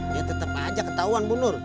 dia tetap aja ketahuan bu nur